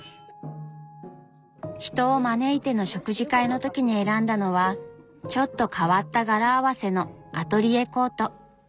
人を招いての食事会の時に選んだのはちょっと変わった柄合わせのアトリエコート。